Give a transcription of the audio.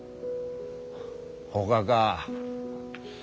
ほかか。